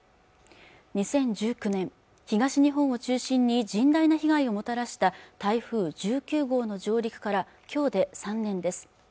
２０１９年東日本を中心に甚大な被害をもたらした台風１９号の上陸から今日で３年です